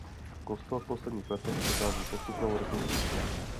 Kostel v posledních letech prochází postupnou rekonstrukcí.